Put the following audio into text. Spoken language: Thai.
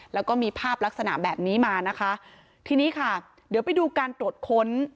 แล้วก็มีภาพลักษณะแบบนี้มานะคะทีนี้ค่ะเดี๋ยวไปดูการตรวจค้น